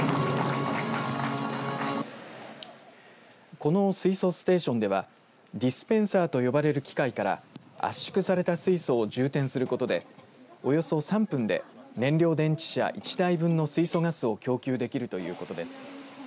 この水素ステーションではディスペンサーと呼ばれる機械から圧縮された水素を充填することでおよそ３分で燃料電池車１台分の水素ガスを供給できるということです。